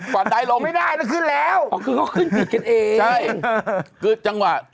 ไม่ได้นะขึ้นแล้ว